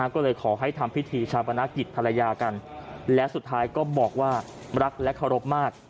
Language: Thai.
ก็เลยขอให้ทำพิธีชาปนกิจภรรยากันและสุดท้ายก็บอกว่ารักและเคารพมาก